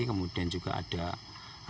kemudian juga ada luka di jambu